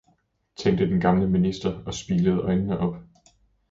tænkte den gamle minister og spilede øjnene op!